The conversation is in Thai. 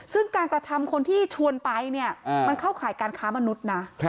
ซึ่งการกระทำคนที่ชวนไปเนี่ยมันเข้าข่ายการค้ามนุษย์นะ